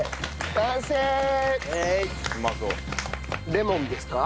レモンですか？